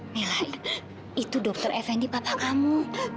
mila itu dokter effendi papa kamu